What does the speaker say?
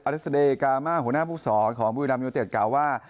อเลสเตยกาลามาหัวหน้าผู้สอนของบูยรัมย์ยอดเตียดกล่าวว่า